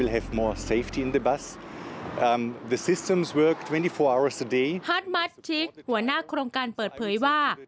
ฮัทมัสมัสทิคหัวหน้าโครงการเปิดเผยว่า